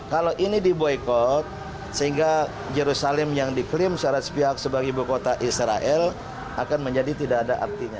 kalau ini diboykot sehingga yerusalem yang diklaim secara sepihak sebagai ibu kota israel akan menjadi tidak ada artinya